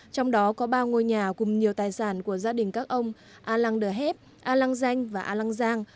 trong đó có ba ngôi nhà cùng nhiều tài sản của gia đình các ông a lăng đờ hép a lăng danh và a lăng giang